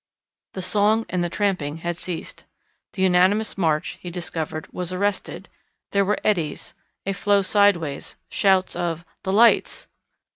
The song and the tramping had ceased. The unanimous march, he discovered, was arrested, there were eddies, a flow sideways, shouts of "The lights!"